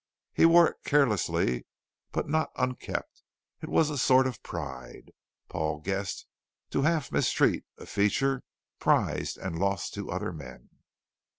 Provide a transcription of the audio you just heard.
He wore it carelessly but not unkempt; it was a sort of pride, Paul guessed, to half mistreat a feature prized and lost to other men.